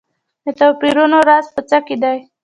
د توپیرونو راز په څه کې دی.